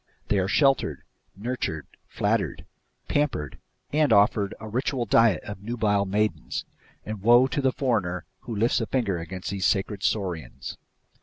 They are sheltered, nurtured, flattered, pampered, and offered a ritual diet of nubile maidens; and woe to the foreigner who lifts a finger against these sacred saurians.